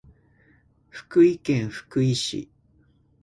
福井県福井市